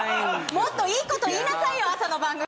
もっといいこと言いなさいよ、朝の番組。